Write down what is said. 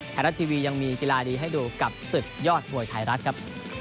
ไทยรัฐทีวียังมีกีฬาดีให้ดูกับศึกยอดมวยไทยรัฐครับ